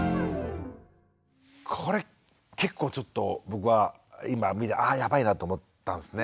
これ結構ちょっと僕は今見てあやばいなと思ったんですね。